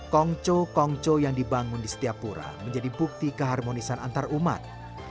kongco kongco yang dibangun di setiap pura menjadi bukti keharmonisan antarumat